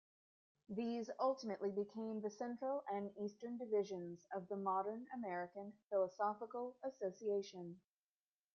These ultimately became the Central and Eastern Divisions of the modern American Philosophical Association.